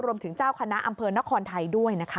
รวมถึงเจ้าคณะอำเภอนครไทยด้วยนะคะ